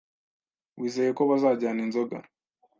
wizeye ko bazajyana inzoga,